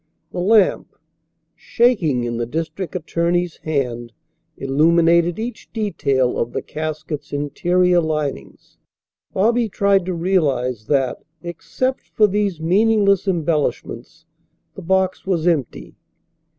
The lamp, shaking in the district attorney's hand, illuminated each detail of the casket's interior linings. Bobby tried to realize that, except for these meaningless embellishments, the box was empty.